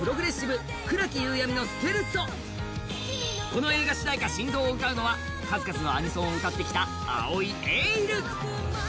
この映画主題歌、「心臓」を歌うのは数々のアニメソングを歌ってきた藍井エイル。